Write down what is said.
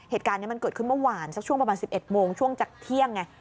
เหตุการณ์นี้มันเกิดขึ้นเมื่อวานสักช่วงประมาณ๑๑โมงช่วงจากเที่ยงไง